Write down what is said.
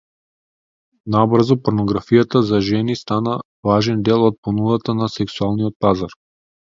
Набрзо порнографијата за жени стана важен дел од понудата на сексуалниот пазар.